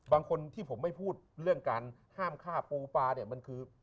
บางคนที่ผมไม่พูดเรื่องการห้ามฆ่าปูปลาเนี่ยมันคือ